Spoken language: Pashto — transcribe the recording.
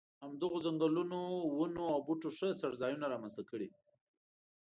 همدغو ځنګلونو ونو او بوټو ښه څړځایونه را منځته کړي.